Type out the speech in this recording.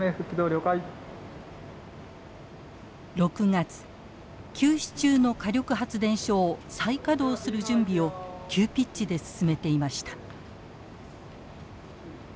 ６月休止中の火力発電所を再稼働する準備を急ピッチで進めていました。